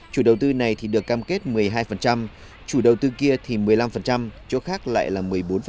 chủ đầu tư này thì được cam kết một mươi hai chủ đầu tư kia thì một mươi năm chỗ khác lại là một mươi bốn